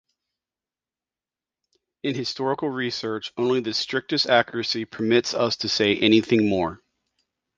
In historical research, only the strictest accuracy permits us to say anything more.